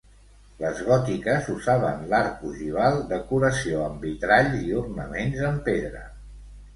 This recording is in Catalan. Les gòtiques usaven l'arc ogival, decoració amb vitralls i ornaments en pedra.